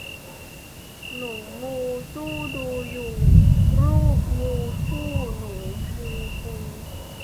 หนูงูสู้ดูอยู่ รูปงูทู่หนูมูทู